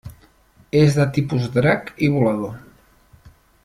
És de tipus drac i volador.